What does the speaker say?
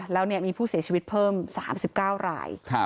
แล้วมีผู้เสียชีวิตเพิ่ม๓๙ราย